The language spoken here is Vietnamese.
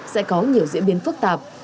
sẽ có nhiều diễn biến phức tạp